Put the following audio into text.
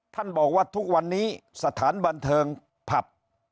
ท่านบอกว่าทุกวันนี้สถานบันเทิงผับ